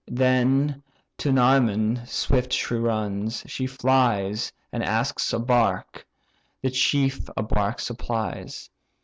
Then to Noëmon swift she runs, she flies, And asks a bark: the chief a bark supplies.